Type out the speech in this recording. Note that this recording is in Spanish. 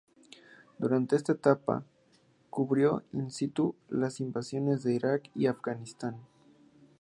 Durante esta etapa, cubrió in situ las invasiones a Irak y Afganistán.